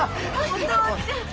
お父ちゃん！